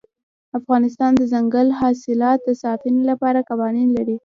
افغانستان د دځنګل حاصلات د ساتنې لپاره قوانین لري.